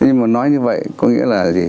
nhưng mà nói như vậy có nghĩa là gì